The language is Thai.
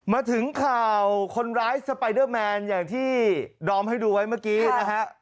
มาถึงข่าวคนร้ายสไปเดอร์แมนอย่างที่ดอมให้ดูไว้เมื่อกี้นะฮะ